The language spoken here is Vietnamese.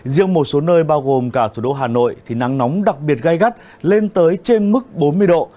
riêng một số nơi bao gồm cả thủ đô hà nội thì nắng nóng đặc biệt gai gắt lên tới trên mức bốn mươi độ